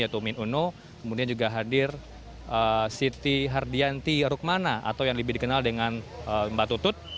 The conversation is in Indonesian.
kemudian juga hadir siti hardianti rukmana atau yang lebih dikenal dengan mbak tutut